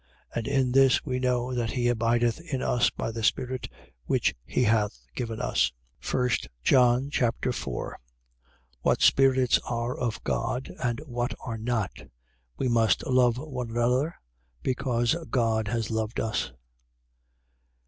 And in this we know that he abideth in us by the Spirit which he hath given us. 1 John Chapter 4 What spirits are of God, and what are not. We must love one another, because God has loved us.